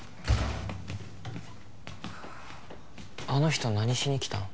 あの人何しに来たん？